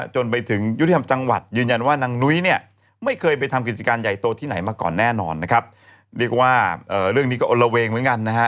จนไปถึงยุติธรรมจังหวัดยืนยันว่านางนุ้ยเนี่ยไม่เคยไปทำกิจการใหญ่โตที่ไหนมาก่อนแน่นอนนะครับเรียกว่าเรื่องนี้ก็อลละเวงเหมือนกันนะฮะ